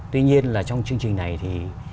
tuy nhiên là trong chương trình này thì